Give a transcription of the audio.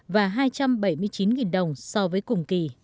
và hai trăm bảy mươi chín đồng so với cùng kỳ